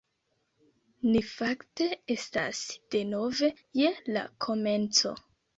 Ni fakte estas denove je la komenco